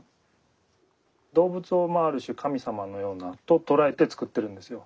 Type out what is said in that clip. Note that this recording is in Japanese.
動物をある種神様のようなと捉えて作ってるんですよ。